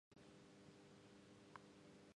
毛布にくるまって一日中ゴロゴロする